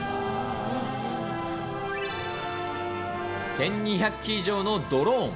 １２００機以上のドローン。